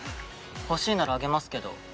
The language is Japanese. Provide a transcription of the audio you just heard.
欲しいならあげますけど。